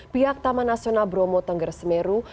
pihak taman nasional bromo tengger semeru